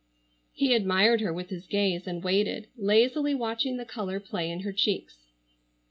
He admired her with his gaze, and waited, lazily watching the color play in her cheeks.